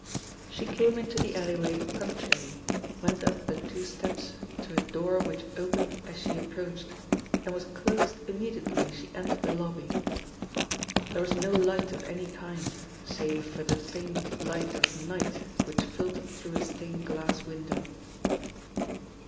She came into the alley way punctually, went up the two steps to a door which opened as she approached and was closed immediately she entered the lobby. There was no light of any kind, save for the faint light of night which filtered through a stained glass window.